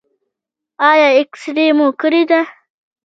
ایا اکسرې مو کړې ده؟